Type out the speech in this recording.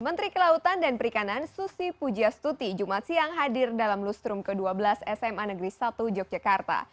menteri kelautan dan perikanan susi pujastuti jumat siang hadir dalam lustrum ke dua belas sma negeri satu yogyakarta